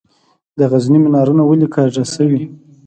د غزني منارونه ولې کږه شوي؟